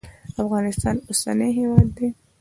افغانستان اوسنی هیواد دی.